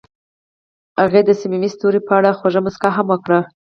هغې د صمیمي ستوري په اړه خوږه موسکا هم وکړه.